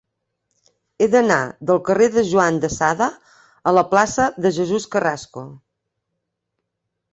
He d'anar del carrer de Juan de Sada a la plaça de Jesús Carrasco.